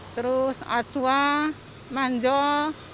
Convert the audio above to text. terus ajwa manjol